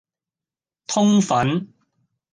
通粉